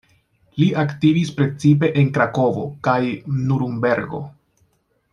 Li aktivis precipe en Krakovo kaj Nurenbergo.